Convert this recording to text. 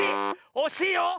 おしいよ！